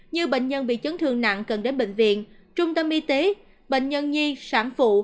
như bệnh nhân bị chấn thương nặng cần đến bệnh viện trung tâm y tế bệnh nhân nhi sản phụ